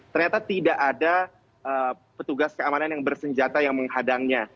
ternyata tidak ada petugas keamanan yang bersenjata yang menghadangnya